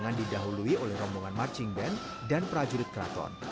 yang didahului oleh rombongan marching band dan prajurit keraton